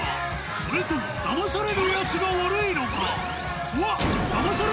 それともダマされる奴が悪いのか？